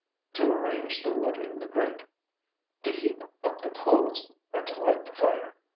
—to arrange the wood in the grate—to heap up the coals—and to light the fire.